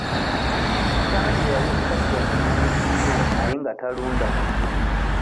Kitange yali musajja mulunzi nnyo naye nga talunda bumyu.